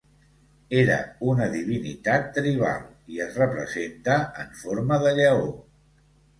Era una divinitat tribal i es representa en forma de lleó.